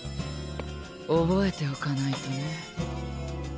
覚えておかないとね。